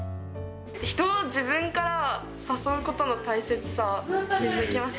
人を自分から誘うことの大切さ、気付きました。